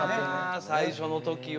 あ最初の時は。